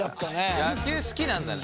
野球好きなんだね。